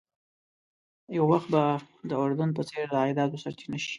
یو وخت به د اردن په څېر د عایداتو سرچینه شي.